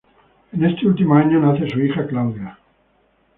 En este último año nace su hija Claudia.